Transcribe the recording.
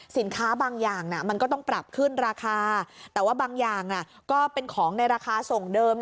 สินค้าบางอย่างมันก็ต้องปรับขึ้นราคาแต่ว่าบางอย่างก็เป็นของในราคาส่งเดิม